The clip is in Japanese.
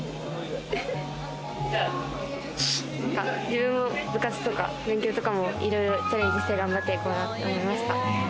自分も部活とか勉強とかも、いろいろチャレンジして頑張って行こうと思いました。